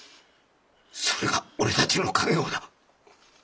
それが俺たちの稼業だ。